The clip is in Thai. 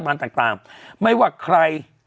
อุ้ยจังหวัด